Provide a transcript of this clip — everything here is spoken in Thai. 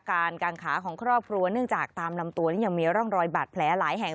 กางขาของครอบครัวเนื่องจากตามลำตัวนี้ยังมีร่องรอยบาดแผลหลายแห่ง